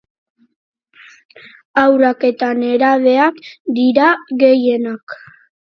Haurrak eta nerabeak dira gehienak.